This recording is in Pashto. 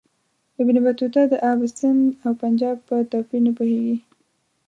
ابن بطوطه د آب سند او پنجاب په توپیر نه پوهیږي.